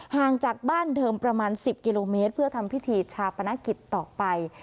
ห่างจากบ้านเทิมประมาณ๑๐กิโลเมตรเพื่อทำพิธีชาปนกิจต่อไป